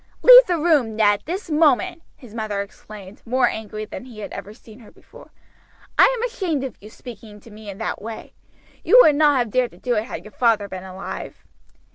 "Leave the room, Ned, this moment," his mother exclaimed, more angry than he had ever seen her before. "I am ashamed of you speaking to me in that way. You would not have dared to do it had your father been alive."